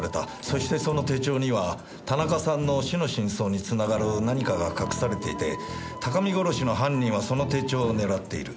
そしてその手帳には田中さんの死の真相に繋がる何かが隠されていて高見殺しの犯人はその手帳を狙っている。